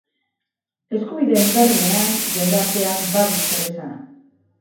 Eskubideen bermean jendarteak badu zeresana.